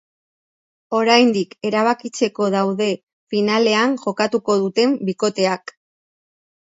Oraindik erabakitzeko daude finalean jokatuko duten bikoteak.